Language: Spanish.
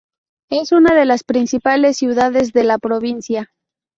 Es una de las principales ciudades de la provincia.